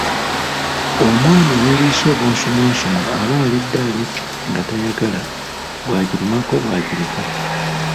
Omwana eyeriisa obunsumwansumwa aba alidde alya ngatayagala, bwagirumako bwagireka.